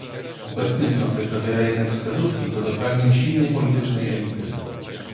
Obecny wniosek zawiera jednak wskazówki co do pragnień silnej politycznej elity